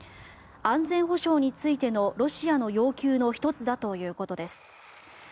安全保障についてのロシアの要求の１つだということです。